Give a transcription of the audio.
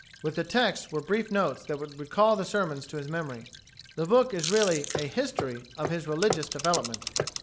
With the texts were brief notes that would recall the sermons to his memory. The book is really "a history" of his religious development.